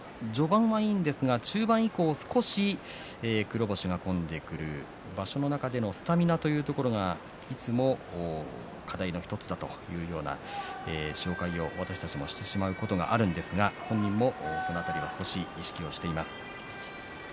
中盤になると黒星が込んでくる場所の中のスタミナがいつも課題の１つだというような紹介を私たちもしてしまうことがあるんですが、本人もその辺りは少し意識しています。